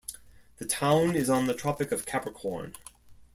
The town is on the Tropic of Capricorn.